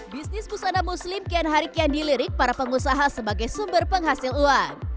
bisnis busana muslim kian hari kian dilirik para pengusaha sebagai sumber penghasil uang